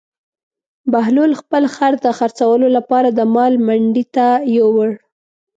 بهلول خپل خر د خرڅولو لپاره د مال منډي ته یووړ.